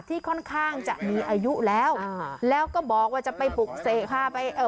ที่ค่อนข้างจะมีอายุแล้วอ่าแล้วก็บอกว่าจะไปปลุกเสกพาไปเอ่อ